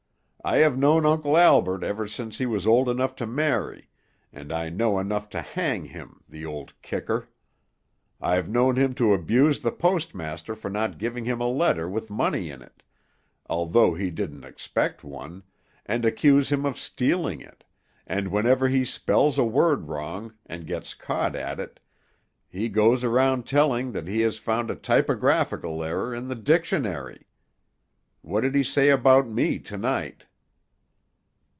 I have known Uncle Albert ever since he was old enough to marry, and I know enough to hang him, the old kicker. I've known him to abuse the postmaster for not giving him a letter with money in it, although he didn't expect one, and accuse him of stealing it, and whenever he spells a word wrong, and gets caught at it, he goes around telling that he has found a typographical error in the dictionary. What did he say about me to night?"